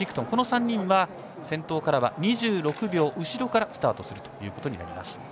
この３人は先頭の２６秒後ろからスタートすることになります。